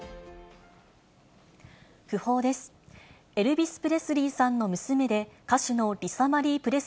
訃報です。